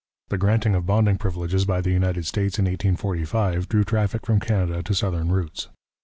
The granting of bonding privileges by the United States in 1845 drew traffic from Canada to southern routes.